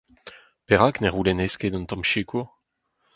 Perak ne c'houlennez ket un tamm sikour ?